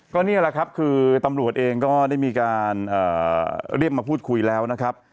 ก็นี่แหละครับคือตำรวจเองก็ได้มีการเรียกมาพูดคุยแล้วนะครับ